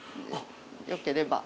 よければ。